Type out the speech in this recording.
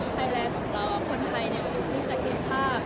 ไทยแลนด์ของเราคนไทยเนี่ยมีศักดิ์ภาพ